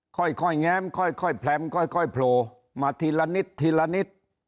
ค่อยแง้มค่อยแพรมค่อยโผล่มาทีละนิดทีละนิด